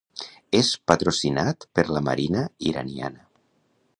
És patrocinat per la marina iraniana.